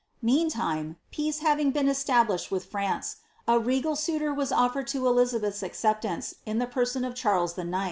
Mean time, peace having been established with France, a regal suitor was otfered to Elizabeth^s acceptance in the person of Charles IX.